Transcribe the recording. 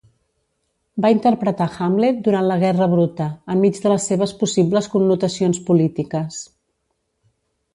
Va interpretar Hamlet durant la guerra bruta, enmig de les seves possibles connotacions polítiques.